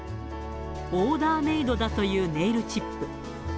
オーダーメードだというネイルチップ。